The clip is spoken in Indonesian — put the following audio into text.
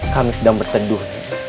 kami sedang bertenduh